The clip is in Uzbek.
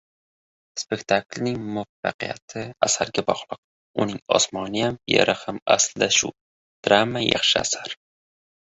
Spektaklning muvaffaqiyati asarga bog‘liq, uning osmoniyam, yeriyam aslida shu – drama, yaxshi asar!